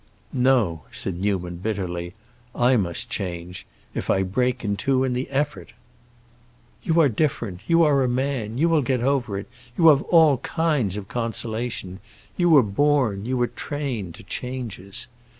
"No," said Newman, bitterly; "I must change—if I break in two in the effort!" "You are different. You are a man; you will get over it. You have all kinds of consolation. You were born—you were trained, to changes.